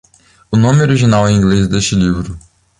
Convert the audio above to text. O nome original em inglês deste livro